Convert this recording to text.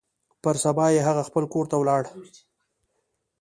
پر سبا يې هغه خپل کور ته ولاړ.